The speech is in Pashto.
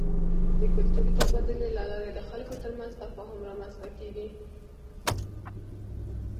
د کلتوري تبادلې له لارې د خلکو ترمنځ تفاهم رامنځته کېږي.